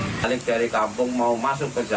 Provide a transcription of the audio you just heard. khususnya para pemiliki mempunyai profesi kesehatan